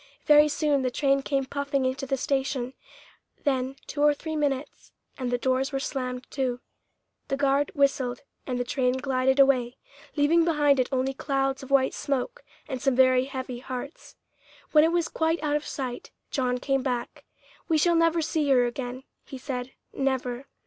Very soon the train came puffing into the station; then two or three minutes, and the doors were slammed to; the guard whistled and the train glided away, leaving behind it only clouds of white smoke and some very heavy hearts. When it was quite out of sight, John came back. "We shall never see her again," he said "never."